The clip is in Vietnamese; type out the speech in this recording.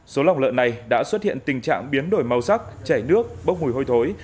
số lòng lợn này đã xuất hiện tình trạng biến đổi màu sắc chảy nước bốc mùi hôi thối